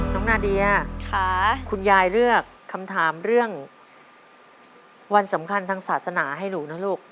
นาเดียคุณยายเลือกคำถามเรื่องวันสำคัญทางศาสนาให้หนูนะลูก